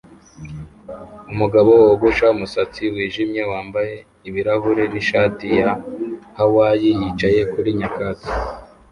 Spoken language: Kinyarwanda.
Umugabo wogosha umusatsi wijimye wambaye ibirahure nishati ya Hawayi yicaye kuri nyakatsi